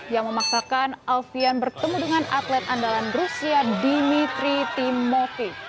yang memaksakan alvian bertemu dengan atlet andalan rusia dimitri timofey